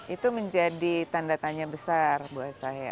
itu menjadi tanda tanya besar buat saya